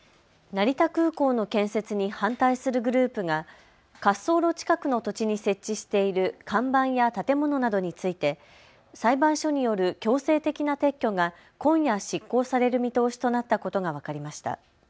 成田空港の建設に反対するグループが滑走路近くの土地に設置している看板や建物などについて裁判所による強制的な撤去が今夜、執行される見通しとなったことが分かりました。